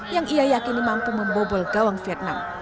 yang ia yakini mampu membobol gawang vietnam